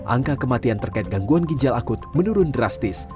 angka kematian terkait gangguan ginjal akut menurun drastis